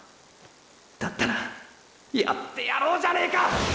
だったらやってやろうじゃねえか！